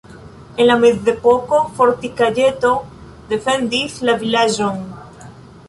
En la mezepoko fortikaĵeto defendis la vilaĝon.